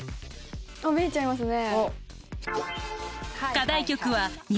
あっメイちゃんいますね。